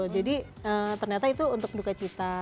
jadi ternyata itu untuk duka cita